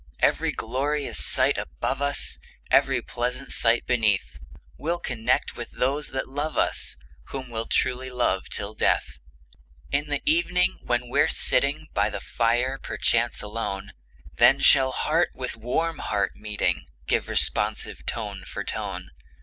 Every glorious sight above us, Every pleasant sight beneath, We'll connect with those that love us, Whom we truly love till death! In the evening, when we're sitting By the fire, perchance alone, Then shall heart with warm heart meeting, Give responsive tone for tone.